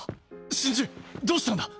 真珠どうしたんだ